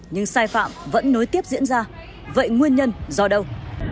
nhưng sai phạm vẫn nối tiếp diễn ra vậy nguyên nhân do đâu